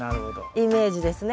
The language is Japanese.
イメージですね。